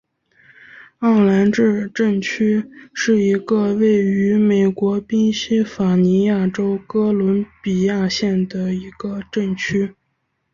奥兰治镇区是一个位于美国宾夕法尼亚州哥伦比亚县的一个镇区。